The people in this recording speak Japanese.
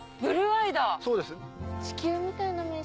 そうです。